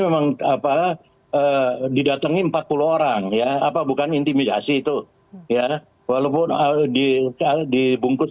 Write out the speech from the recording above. memang apa didatangi empat puluh orang ya apa bukan intimidasi itu ya walaupun dibungkus